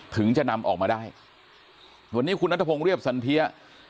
ถึงจะนำออกมาได้วันนี้คุณนัทพงศ์เรียบสันเทีย